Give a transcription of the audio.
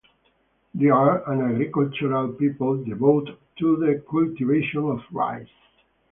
They are an agricultural people devoted to the cultivation of rice.